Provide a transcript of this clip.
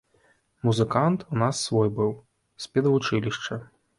Музыкант у нас свой быў, з педвучылішча.